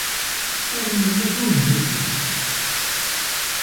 Ur nelli d ungifen.